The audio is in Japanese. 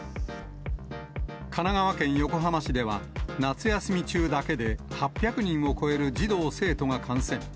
神奈川県横浜市では、夏休み中だけで８００人を超える児童・生徒が感染。